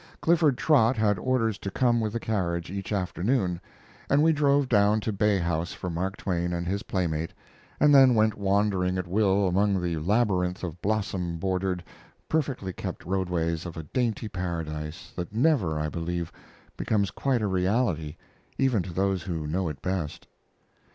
Clifford Trott had orders to come with the carriage each afternoon, and we drove down to Bay House for Mark Twain and his playmate, and then went wandering at will among the labyrinth of blossom bordered, perfectly kept roadways of a dainty paradise, that never, I believe, becomes quite a reality even to those who know it best.